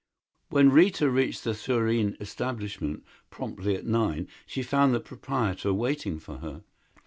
When Rita reached the Thurene establishment, promptly at nine, she found the proprietor waiting for her.